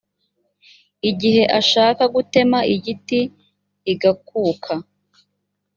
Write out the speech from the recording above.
igihe ashaka gutema igiti, igakuka,